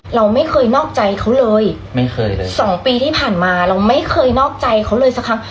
เราไม่เคยนอกใจเขาเลยไม่เคยเลยสองปีที่ผ่านมาเราไม่เคยนอกใจเขาเลยสักครั้ง